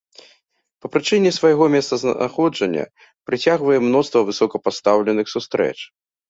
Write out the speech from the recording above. Па прычыне свайго месцазнаходжання прыцягвае мноства высокапастаўленых сустрэч.